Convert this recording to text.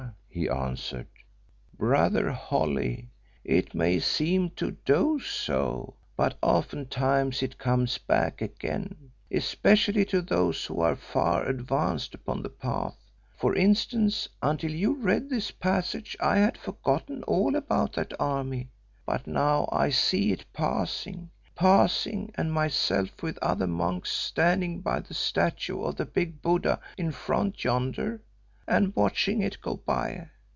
he answered, "Brother Holly, it may seem to do so, but oftentimes it comes back again, especially to those who are far advanced upon the Path. For instance, until you read this passage I had forgotten all about that army, but now I see it passing, passing, and myself with other monks standing by the statue of the big Buddha in front yonder, and watching it go by.